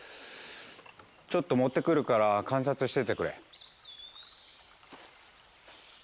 ちょっと持ってくるから観察しててくれ。